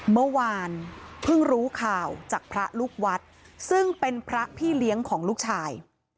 เมื่อวานเพิ่งรู้ข่าวจากพระลูกวัดซึ่งเป็นพระพี่เลี้ยงของลูกชาย